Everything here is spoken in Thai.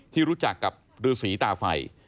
ที่รู้จักกับฤษีตาไฟ